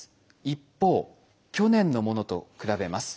一方去年のものと比べます。